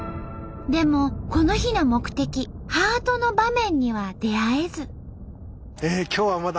でもこの日の目的ハートの場面には出会えず。